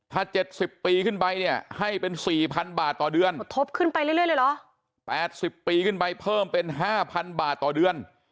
ถ้า๗๐ปีขึ้นไปเนี่ยให้เป็น๔๐๐๐บาทต่อเดือน๘๐ปีขึ้นไปเพิ่มเป็น๕๐๐๐บาทต่อเดือน